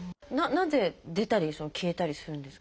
なぜ出たり消えたりするんですか？